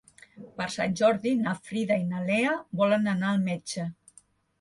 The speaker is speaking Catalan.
Per Sant Jordi na Frida i na Lea volen anar al metge.